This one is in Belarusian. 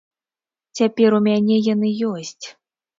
Цяпер у мяне яны ёсць.